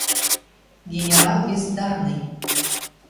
Генерал бездарный.